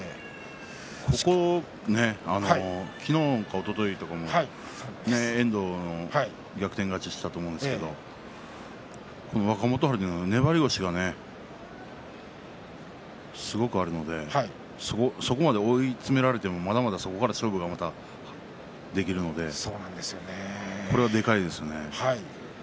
ここ、昨日、おとといとかも遠藤を逆転勝ちしたと思うんですけれども若元春は粘り腰がすごくあるのでそこまで追い詰められてもまだまだそこから勝負ができるのでこれは、でかいですよね。